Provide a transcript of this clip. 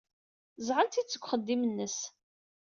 Ẓẓɛen-t-id seg uxeddim-nnes.